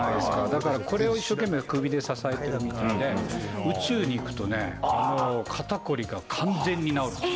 だからこれを一生懸命首で支えているからで、宇宙に行くとね、もう肩凝りが完全に治る。